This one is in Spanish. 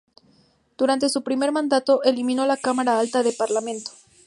Durante su primer mandato eliminó la cámara alta del Parlamento.